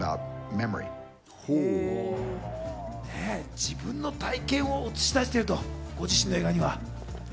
自分の体験を映し出しているって、ご自身の映画には。